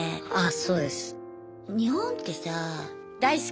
そうですね。